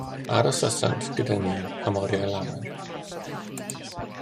Arosasant gyda ni am oriau lawer.